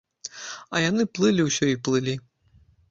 А яны плылі ўсё і плылі.